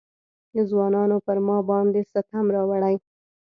ځوانانو پر ما باندې ستم راوړی.